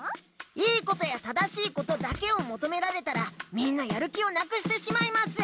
良いことや正しいことだけをもとめられたらみんなやる気をなくしてしまいます！